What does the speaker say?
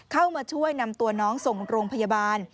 เข้ามาช่วยนำตัวน้องส่งโรงพยาบาล